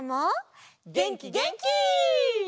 げんきげんき！